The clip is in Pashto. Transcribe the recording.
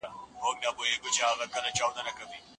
که نجلۍ موقع او امکانات ولري، نو اضافه علوم دي هم زده کړي